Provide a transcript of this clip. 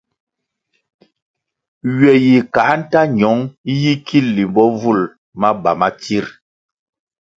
Ywe yi kā nta ñong yi ki limbo vul maba ma tsir?